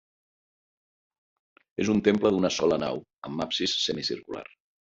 És un temple d'una sola nau, amb absis semicircular.